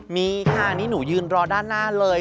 มีค่ะนี่หนูยืนรอด้านหน้าเลย